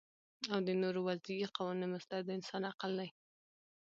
او د نورو وضعی قوانینو مصدر د انسان عقل دی